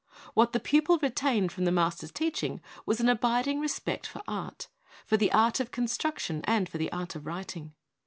What the pupil re tained from the master's teaching was an abid ing respect for art, for the art of construction and for the art of writing.